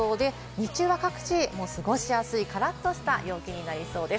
日中は各地、過ごしやすいカラっとした陽気になりそうです。